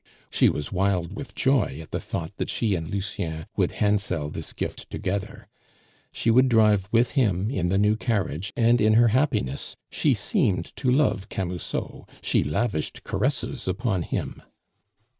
She was wild with joy at the thought that she and Lucien would handsel this gift together; she would drive with him in the new carriage; and in her happiness, she seemed to love Camusot, she lavished caresses upon him.